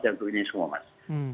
yang itu ini semua mas